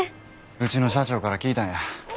うちの社長から聞いたんや。